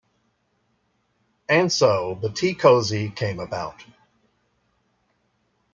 And so, the tea cosy came about.